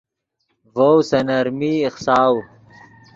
ڤؤ سے نرمی ایخساؤ